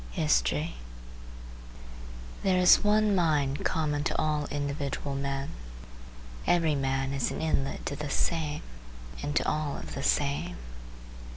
HISTORY There is one mind common to all individual men. Every man is an inlet to the same and to all of the same.